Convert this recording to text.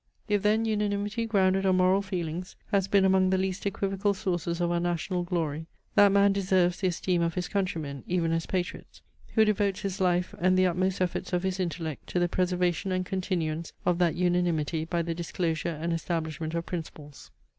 If then unanimity grounded on moral feelings has been among the least equivocal sources of our national glory, that man deserves the esteem of his countrymen, even as patriots, who devotes his life and the utmost efforts of his intellect to the preservation and continuance of that unanimity by the disclosure and establishment of principles.